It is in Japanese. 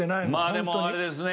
まあでもあれですね。